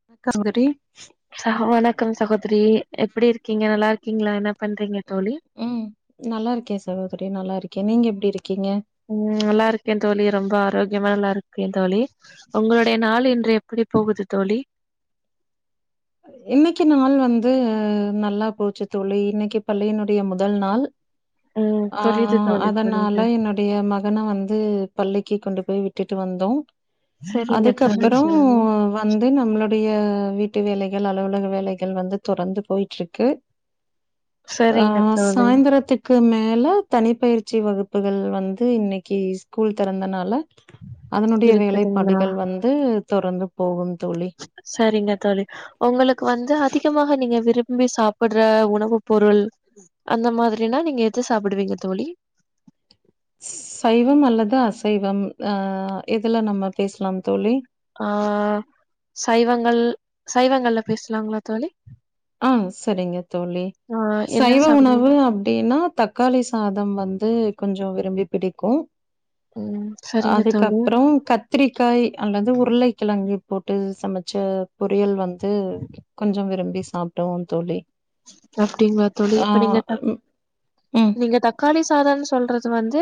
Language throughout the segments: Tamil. [unintelligible] சா வணக்கம் சகோதரி எப்படி இருக்கீங்க நல்லா இருக்கீங்ளா என்ன பண்றீங்க தோழி ம் நல்லா இருக்கேன் சகோதரி நல்லா இருக்கேன் நீங்க எப்டி இருக்கீங்க ம் நல்லா இருக்கேன் தோழி ரொம்ப ஆரோக்கியமா நல்லா இருக்கன் தோழி உங்களுடைய நாள் இன்று எப்படி போகுது தோழி இன்னிக்கு நாள் வந்து நல்லா போச்சு தோழி இன்னிக்கு பள்ளியினுடைய முதல் நாள் ம் ஆ புரியுது தோழி அதனால புரியுது என்னோ டைய மகன வந்து பள்ளிக்கு கொண்டு போய் விட்டுட்டு வந்தோம் சரிங்க தோழி அதுக்கப்புறோ சரிங்க வ வந்து நம்ளுடைய வீட்டு வேலைகள் அலுவலக வேலைகள் வந்து தொடர்ந்து போயிட்ருக்கு ஆ சரிங்க தோழி சாய்ந்தரத்துக் க்கு மேல தனிப்பயிற்சி வகுப்புகள் வந்து இன்னைக்கி ஸ்கூல் தொறந்தனால அதனுடைய இருக்குதுங்களா வேலைப்பாடுகள் வந்து தொடர்ந்து போகும் தோழி சரிங்க தோழி உங்களுக்கு வந்து அதிகமாக நீங்க விரும்பி சாப்பிட்ற உணவு பொருள் அந்த மாதிரினா நீங்க எது சாப்பிடுவீங்க தோழி சைவம் அல்லது அசைவம் அ எதுல நம்ம பேசலாம் தோழி ஆ சைவங்கள் சைவங்கள்ல பேசலாங்ளா தோழி ஆ சரிங்க தோழி ஆ என்ன சைவ சாப்புடுவீங்க உணவு அப்டின்னா தக் காளி சாதம் வந்து கொஞ்ச விரும்பி பிடிக்கு ம் சரிங்க தோழி அதுக்கப்றோ கத் திரிக்காய் அல்லது உருளைக்கிழங்கு போட்டு சமைச்ச பொரியல் வந்து கொஞ்ச விரும்பி சாப்டுவோ தோழி அப்டிங்களா தோழி ஆ இப்ப நீங்க தக் ம் ம். நீங்க தக் காளி சாதம் சொல்றது வந்து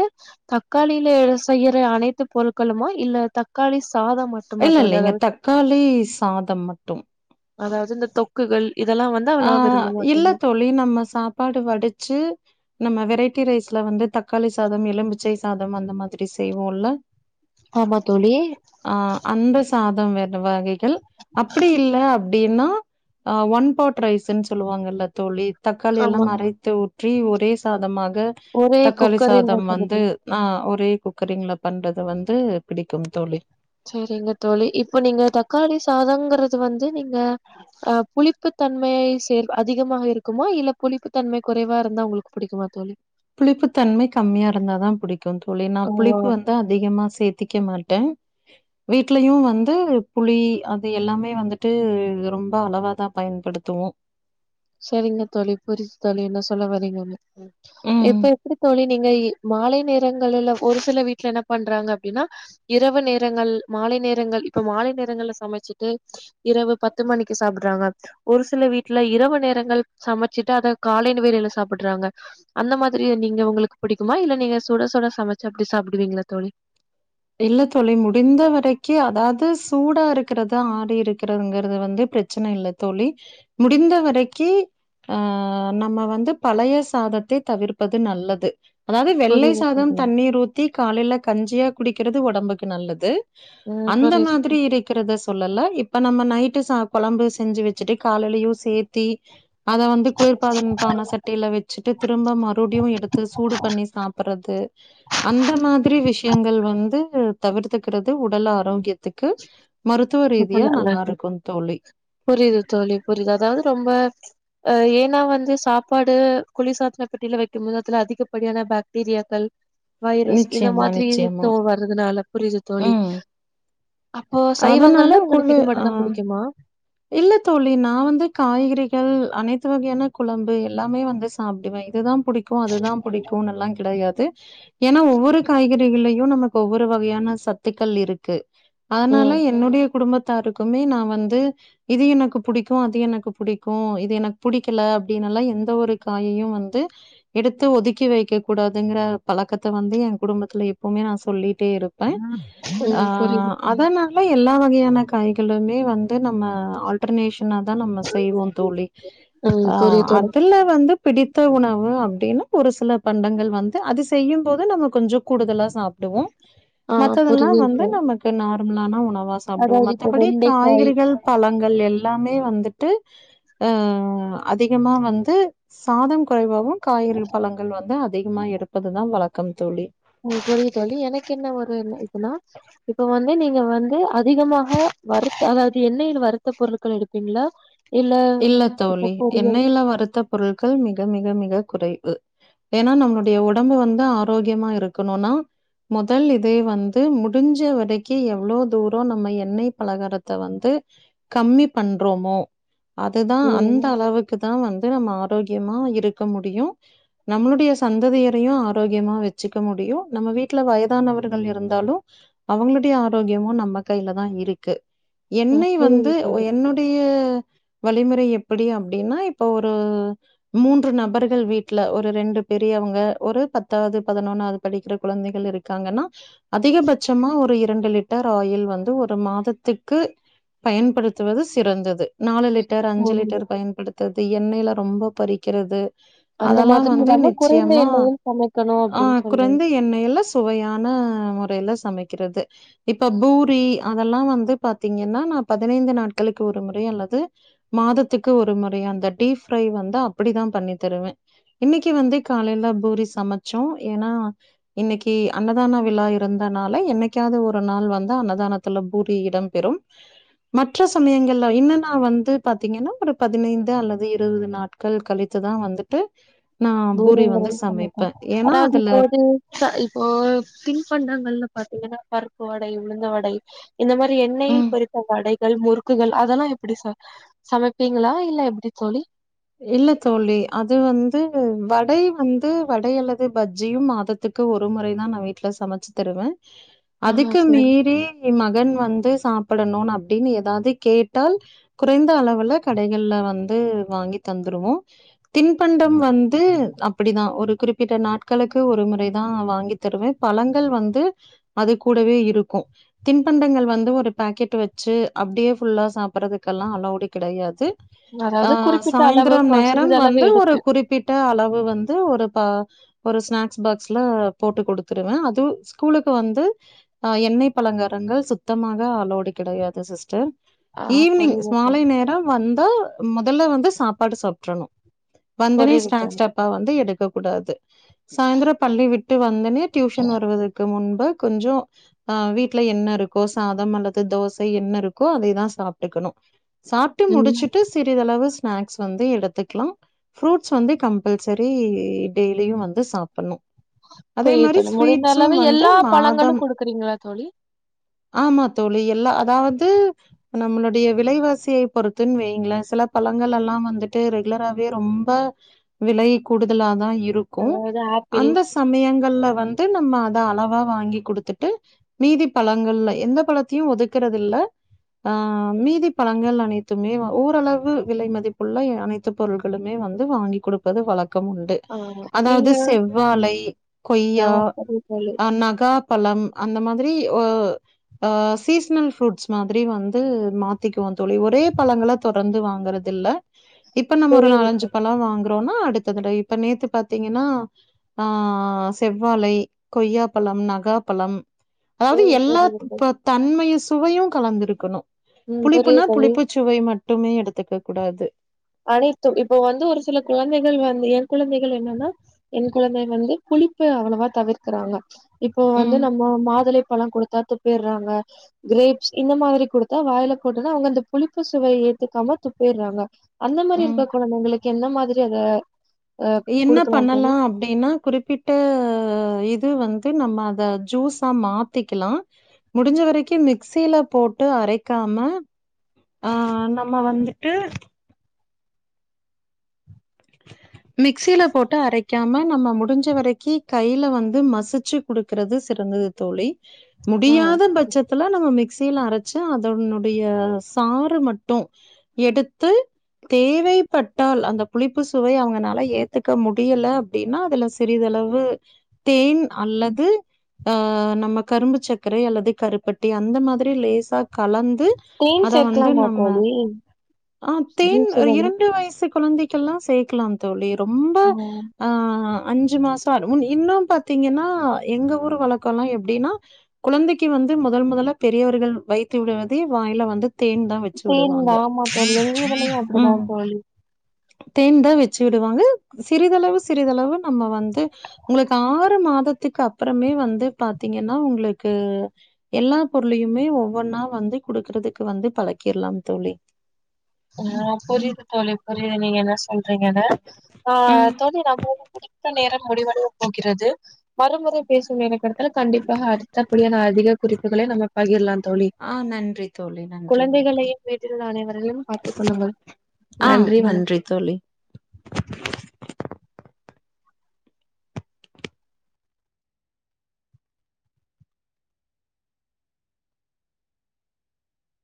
தக்காளியில செய்யிற அனைத்து பொருட்களுமா இல்ல தக்காளி சாத மட்டு இல்ல இல்ல இங்க தக்காளி சாதம் மட்டும் இதாவது இந்த தொக்குகள் இதெல்லா வந்து ஆ அவ்ளோவா இல்ல தோழி நம்ம சாப்பாடு வடிச்சு நம்ம வெரைட்டி ரைஸ்ல வந்து தக்காளி சாதம் எலும்புச்சை சாதம் அந்த மாதிரி செய்வோல்ல ஆமா தோழி ஆ அந்த சாதம் வேர வகைகள் அப்டி இல்ல அப்டின்னா அ ஒன் பாட் ரைஸ்ன்னு சொல்லுவாங்கல்ல தோழி தக்காளி ஆமா எல்லாம் அரைத்து ஊற்றி ஒரே சாதமாக ஒரே தக்காளி குக்கரில் சாதம் வைக்கிறது வந்து ஆ ஒரே குக்கரிங்ல பண்றது வந்து பிடிக்கும் தோழி சரிங்க தோழி இப்ப நீங்க தக்காளி சாதங்குறது வந்து நீங்க அ புளிப்பு தன்மை சேர் அதிகமாக இருக்குமா இல்ல புளிப்பு தன்மை குறைவா இருந்தா உங்களுக்கு புடிக்குமா தோழி புளிப்பு தன்மை கம்மியா இருந்தாதா புடிக்கு தோழி நா ஓ புளிப்பு வந்து அதிகமா சேத்திக்க மாட்டே வீட்லயு வந்து புளி அது எல்லாமே வந்துட்டு ரொம்ப அளவாதா பயன்படுத்துவோ சரிங்க தோழி புரிச்சு தோழி என்ன சொல்லவரீங்கன்னு ம். இப்ப எப்டி தோழி நீங்க இ மாலை நேரங்களுல்ல ஒரு சில வீட்டுல என்ன பண்றாங்க அப்டின்னா இரவு நேரங்கள் மாலை நேரங்கள் இப்ப மாலை நேரங்கள்ல சமச்சிட்டு இரவு பத்து மணிக்கு சாப்புட்டுறாங்க ஒரு சில வீட்டுல இரவு நேர ங்கள் சமச்சிட்டு அத காலையில வேளையில சாப்புட்றாங்க அந்த மாரி நீங்க உங்களுக்கு புடிக்குமா இல்ல நீங்க சுட சுட சமச்சு அப்டி சாப்டுவீங்களா தோழி இல்ல தோழி முடிந்த வரைக்கு அதாவது சூடா இருக்கிறதா ஆறி இருக்கிறதுங்குறது வந்து பிரச்சன இல்ல தோழி முடிந்த வரைக்கி ஆ நம்ம வந்து பழைய சாதத்தை தவிர்ப்பது நல்லது அதாவது வெள்ளை புரியுது சாதம் தோழி தண்ணிர் ஊத்தி காலையில கஞ்சியா குடிக்கிறது ஒடம்புக்கு நல்லது ம் அந்த புரியுது மாதிரி இருக் கிறத சொல்ல இப்ப நம்ம நைட்டு சா கொழம்பு செஞ்சு வச்சுட்டு காலையிலயு சேத்தி அத வந்து குளிர்பாதன் பான சட்டியில வச் சிட்டு திரும்ப மறுபடியு எடுத்து சூடு பண்ணி சாப்புட்றது அந்த மாதிரி விஷயங்கள் வந்து தவிர்த்துக்கிறது உடல் ஆரோக்கியத் திக்கு மருத்துவ ரொம்ப ரீதியா நல்லா நல்லாருக்கு இருக்கு தோழி புரியுது தோழி புரியுது அதாவது ரொம்ப அ ஏன்னா வந்து சாப்பாடு குளிர் சாதன பெட்டியில வக்கும் போது அதுல அதிகப்படியான பாக் டீரியாக்கள் வைரஸ் இந்த நிச்சயமா, மாதிரி நிச்சயமா. தோ வர்றதுனால புரியுது தோழி ம். அப்போ அதனால சைவங்கள்ல உங்களுக்கு குழு இது அ மட்டும்தா புடிக்குமா இல்ல தோழி நா வந்து காய்கறிகள் அனைத்து வகையான குழம்பு எல்லாமே வந்து சாப்டுவே இதுதா புடிக்கு அதுதா புடிக்குன் எல்லா கிடையாது ஏன்னா ஒவ்வொரு காய்கறிகளையு நமக்கு ஒவ்வொரு வகையான சத்துக்கள் இருக்கு அதனால ம் என்னுடைய குடும்பத் தாருக்குமே நா வந்து இது எனக்கு பிடிக்கும் அது எனக்கு பிடிக்கும் இது எனக்கு பிடிக்கல அப்டின்னல்ல எந்த ஒரு காயையும் வந்து எடுத்து ஒதுக்கி வைக்க கூடாதுங்கிற பழக்கத்தை வந்து எய குடும்பத்துல எப்பவுமே நா சொல்லிட்டே இருப் ம் புரியுது இல்ல எல்லா வகையான காய்களுமே வந்து நம்ம ஆல்டர்நேஷனாதா நம்ம செய்வோ தோழி ம் ஆ புரியுது தோழி அதுல வந்து பிடித்த உணவு அப்டின்னா ஒரு சில பண்டங்கள் வந்து அது செய்யும்போது நம்ம கொஞ்ச கூடுதலா சாப்டுவோ ஆ மத்ததெல்லா புரியுது வந்து தோழி நமக்கு நார்மலானா உணவாச சாப்டுவோ அதாவது இப்போ மத்தபடி வெண்டைக்காய் காய்கறிகள் பழங்கள் எல்லாமே வந்துட்டு ஆ அதிகமாக வந்து சாத குறைவாவு காய்கறிகள் பழங்கள் வந்து அதிகமா எடுப்பதுதா வழக்கம் தோழி ம் புரிது தோழி எனக்கு என்ன ஒரு இதுன்னா இப்ப வந்து நீங்க வந்து அதிகமாக வருத்த அதாவது எண்ணெயில வருத்த பொருட்கள் எடுப்பீங்களா இல்ல இப்ப தோழி பொரியல் எண்ணெயில வருத்த பொருள்கள் மிக மிக மிக குறைவு ஏன்னா நம்மளுடைய உடம்பு வந்து ஆரோக்கியமா இருக்கணும்னா முதல் இதே வந்து முடிஞ்ச வரைக்கும் எவ்ளோ தூர நம்ம எண்ணெய் பழகாறத்த வந்து கம்மி பண்றோமோ அதுதா அந்த ம் அளவுக்கு தா வந்து நம்ம ஆரோக்கியமா இருக்க முடியு நம்மளுடைய சந்ததியரையு ஆரோக்கியமா வச்சுக்க முடியு நம்ம வீட்ல வயதானவர்கள் இருந்தாலு அவங்களுடைய ஆரோக்கியமும் நம்ம கையில தா இருக்கு ம் என்னை புரியுது வந்து அ தோழி என்னுடைய வழிமுறை எப்டி அப்டின்னா இப்போ ஒரு மூன்று நபர்கள் வீட்ல ஒரு ரெண்டு பெரியவங்க ஒரு பத்தாவது பதினொன்னாவது படிக்கிற குழந்தைகள் இருக்காங்கன்னா அதிகபட்சமா ஒரு இரண்டு லிட் ஆயில் வந்து ஒரு மாதத்துக்கு பயன்படுத்துவது சிறந்தது இரண்டு லிட்டர் அஞ்சு ம் லிட்டர் பயன் படுத்துறது எண்ணெய்யில ரொம்ப பறிக்கிறது அந்த அதெல்லா மாதிரி வந்து இல்லாம குறைந்த நிச்சயமா எண்ணெயில் சமைக்கணு ஆ அப்டின்னு சொல்றீங்க குறைந்த எண்ணெயில சுவையான முறையில சமைக்கிறது இப்ப பூரி அதெல்லா வந்து பாத்தீங்கன்னா நா பதினைந்து நாட்களுக்கு ஒரு முறை அல்லது மாதத்துக்கு ஒரு முறை அந்த டீப் ஃரை வந்து அப்டிதா பண்ணி தருவ இன்னிக்கு வந்து காலையில பூரி சமைச்சோ ஏன்னா இன்னிக்கு அன்னதான விழா இருந்தனால என்னிக்காவது ஒரு நாள் அன்னதான பூரி இடம் பெறும் மற்ற சமயங்கல்ல என்னன்னா வந்து பார்த்தீங்கன்னா ஒரு பதினைந்து அல்லது இருபது நாட்கள் கழித்துதா வந்துட்டு நான் பூரி வந்து தூரிங்கிறது சமைப்பேன். [unintelligible] ஏன்னா அதாவது அதுல இப்ப வந்து இப்போ தின்பண்டங்கள் பார்த்தீங்கன்னா பருப்பு வடை உளுந்த வடை இந்த மாரி எண்ணெய் ம். பொறித்த வடைகள் முறுக்குகள் அதெல்லா எப்டி சமைப்பீங்களா இல்ல எப்டி தோழி இல்ல தோழி அது வந்து வடை வந்து வடை அல்லது பஜ்ஜியும் மாதத்துக்கு ஒரு முறைதா நா வீட்டுல சமச்சிதருவ ஆ அதுக்கு சரி மீறி என் மகன் வந்து சாப்டணும்னு அப்டின்னு ஏதாவது கேட்டால் குறைந்த அளவுல கடைகள்ல வந்து வாங்கி தந்துருவோ தின்பண்டம் வந்து அ அப்டிதா ஒரு குறிப்பிட்ட நாட்களுக்கு ஒரு முறைதா வாங்கி தருவ பழங்கள் வந்து அது கூடவே இருக்கு தின்பண்டங்கள் வந்து ஒரு பேக்கெட் வச்சு அப்டியே ஃபுல்லா சாப்பிட்றதுக்கெல்லா அளவுடு கிடையாது அதாவது குறிப்பிட்டு சாய்ந்திரம் நேரம் வந்து ஒரு குறிப்பிட்ட அளவு வந்து ஒரு ப ஒரு ஸ்நாக்ஸ் பாக்ஸ்ல போட்டு குடுத்துருவே அதுவும் ஸ்கூலுக்கு வந்து ஆ எண்ணெய் பலகாரங்கள் சுத்தமாக அலோடு கிடையாது சிஸ்டர் ஆ ஈவினிங் புரியுது மாலை தோழி நேரம் வந்தா மொதல்ல வந்து சாப்பாடு சாப்ட்றனும் வந்தனே புரியுது ஸ்னாக்ஸ் தோழி டப்பா வந்து எடுக்க கூடாது சாயந்தரம் பள்ளி விட்டு வந்தனே டியூஷன் வருவதற்கு முன்பு கொஞ்சோ ஆ வீட்டுல என்ன இருக்கோ சாதம் அல்லது தோசை என்ன இருக்கோ அதைதா சாப்பிட்டுக்கணும் சாப்பிட்டு ம் முடிச்சுட்டு சிறிதளவு ஸ்நாக்ஸ் வந்து எடுத்துக்கலா ஃப்ரூட்ஸ் வந்து கம்பல்சரி டெய்லியும் வந்து சாப்பிட்ணும் அதே புரியுது மாரி தோழி முடிந்த ஸ்வீட்சும் அளவு வந்து எல்லா பழங்களு மாதம் குடுக்குறீங்களா தோழி ஆமா தோழி எல்லா அதாவது நம்மளுடைய விலைவாசியை பொறுத்துன் வைங்களேன் சில பல ங்கள் எல்லாம் வந்துட்டு ரெகுலராவே ரொம்ப விலை கூடுதலா தா இருக் கும் அதாவது ஆப்பிள் அந்த சமயங்கள்ல வந்து நம்ம அத அளவா வாங்கி குடுத்துட்டு மீதி பழங்கள்ல எந்த பழத்தையும் ஒதுக்குறது இல்ல ஆ மீதி பழங்கள் அனைத்துமே ஓரளவு விலை மதிப்புள்ள அனைத்து பொருட்களுமே வந்து வாங்கி குடுப்பது வழக்கமாக ட்டு ஆ அதாவது நீங்க செவ்வாழை ஆ கொய்யா புரியுது தோழி அ நகா பழம் அந்த மாதிரி ஓ ஆ சீஸ்னல் ஃப்ரூட்ஸ் மாதிரி வந்து மாத்திக்குவோ தோழி ஒரே பழங்கள தொடர்ந்து வாங்குறது இல்ல இப்ப நம்ம ஒரு புரியுது தோழி நாலஞ்சு பழம் வாங்குறோம்னா அடுத்ததுட இப்ப நேத்து பாத்தீங்கன்னா ஆ செவ்வாழை கொய்யாப்பழம் நகாப்பழம் அதாவது ம் எல்லா புரியுது தோழி தன்மையு சுவையும் கலந்திருக்கணும் ம் புரியுது புளிப்புன்னா தோழி புளிப்பு சுவை மட்டுமே எடுத்துக்க கூடாது அனைத்தும் இப்போ வந்து ஒரு சில குழந்தைகள் வந்து யா குழந்தைகள் என்னன்னா என் குழந்தை வந்து புளிப்பு அவ்வளவா தவிர்க்கறாங்க இப்போ வந்து ம், நம்ம மாதுளை பழம் குடுத்தா துப்பிர்றாங்க கிரேப்ஸ் இந்த மாதிரி குடுத்தா வாயில போட்டனா அவங்க அந்த புளிப்பு சுவைய ஏத்துக்காம துப்பிட்றாங்க அந்த மாரி இருக்க ம். கொழந்தைங்களுக்கு என்ன மாதிரி அத அ என்ன குடுக்கலாம் தோழி பண்ணலாம் அப்டினா குறிப்பிட்ட இது வந்து நம்ம அத ஜூஸா மாத்திக்கலா முடிஞ்ச வரைக்கும் மிக்சிலா போட்டு அரைக்காம ஆ நம்ம வந்துட்டு மிக்சில போட்டு அரைக்காம நம்ம முடிஞ்ச வரைக்கு கைல வந்து மசிச்சு குடுக்கறது சிறந்தது தோழி ஆ முடியாத பட்சத்துல நம்ம மிக் சில அரச்சு அதனுடைய சாறு மட்டும் எடுத்து தேவைப்பட்டால் அந்த புளிப்பு சுவை அவங்க ங்கனால ஏத்துக்க முடியல அப்டின்னா அதுல சிறிதளவு தேன் அல்லது ஆ நம்ம கரும்பு சக்கரை அல்லது கருப்பட்டி அந்த மாதிரி லேசா கலந்து தேன் அத வந்து சேர்க்கலாமா நம்ம தோழி ஆ தேன் ஜூஸுகளு இரண்டு வயசு குழந்தை கெல்லாம் சேக்கலாம் தோழி ரொம்ப ஆ ஆ அஞ்சு மாச பார் இன்னும் பாத்தீங்கன்னா எங்க ஊர் வழக்கோல்லா எப்டினா குழந்தைக்கு வந்து முதல் முதல பெரியவர்கள் வைத்து விடுவதே வாயில வந்து தேன் தா வச்சி தேன் விடுவாங்க ஆமா தோழி எங்க இதுலயு அப்படிதா ம் தோழி தேன் தா வ ச்சி விடுவாங்க சிறிதளவு சிறிதளவு நம்ம வந்து உங்களுக்கு ஆறு மாதத்துக்கு அப்பறமே வந்து பாத்தீங்கன்னா உங்களுக்கு எல்லா பொருளையுமே ஒவ்வொன்னா வந்து குடுக்கறதுக்கு வந்து பழக்கிரலாம் தோழி ஆ புரியிது தோழி புரியிது நீங்க என்னா சொல்றீங்கன்னு ஆ ம். தோழி நம்பளுக்கு குடுத்த நேரம் முடிவட டங்கிறது மறுமுறை பேசும் நேரம் கிடைத்தால் கண்டிப்பாக அடுத்தபடியான அதிக குறிப்புகளை நம்ம பகிர்லா தோழி ஆ நன்றி தோழி. நன்றி. வணக்கம். குழந்தைகளையு வீட்டில் உள்ள அனைவர்களையும் பாத்து கொள்ளுங்கள் ஆ நன்றி வணக் நன்றி தோழி